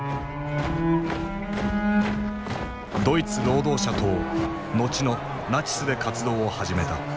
ドイツ労働者党後のナチスで活動を始めた。